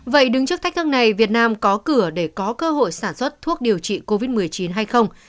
vậy đứng trước thách thức này việt nam có cửa để có cơ hội sản xuất thuốc điều trị covid một mươi chín hay không